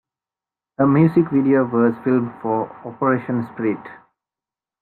A music video was filmed for "Operation Spirit".